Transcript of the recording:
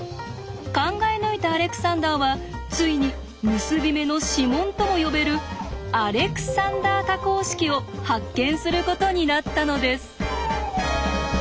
考え抜いたアレクサンダーはついに結び目の指紋とも呼べる「アレクサンダー多項式」を発見することになったのです。